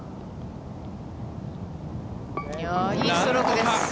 いいストロークです。